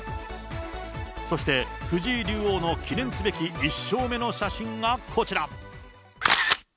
そして藤井竜王の記念すべき１勝目の写真がこちら。